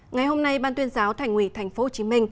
ngày hôm nay ban tuyên giáo thành ủy tp hcm